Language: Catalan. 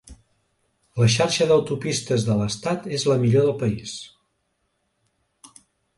La xarxa d'autopistes de l'estat és la millor del país.